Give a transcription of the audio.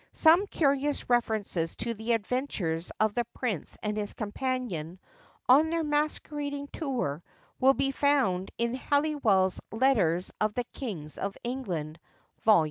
Some curious references to the adventures of the Prince and his companion, on their masquerading tour, will be found in Halliwell's Letters of the Kings of England, vol.